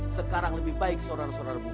sekarang lebih baik saudara saudara bukani